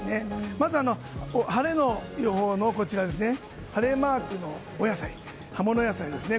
まず、晴れの予報晴れマークのお野菜葉物野菜ですね。